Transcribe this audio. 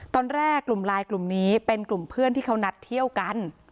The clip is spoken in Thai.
ตอนแรกกลุ่มไลน์กลุ่มนี้เป็นกลุ่มเพื่อนที่เขานัดเที่ยวกัน